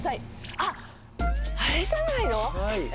あれじゃないの？